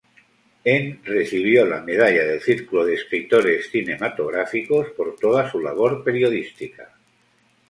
En recibió la medalla del Círculo de Escritores Cinematográficos por toda su labor periodística.